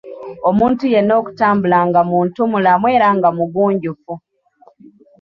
Omuntu yenna okutambula nga muntumulamu era nga mugunjufu.